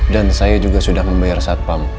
dan saya juga sudah membayar satpam